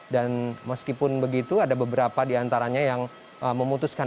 dan meskipun begitu ada beberapa di antaranya yang memutuskan